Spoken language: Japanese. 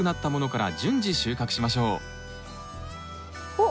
おっ？